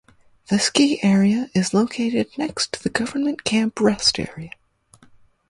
The ski area is located next to the Government Camp Rest Area.